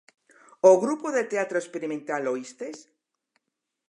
O grupo de teatro experimental Oístes?